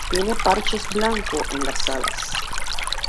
Tiene parches blancos en las alas.